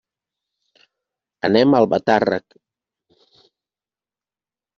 Anem a Albatàrrec.